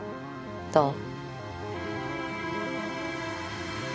どう？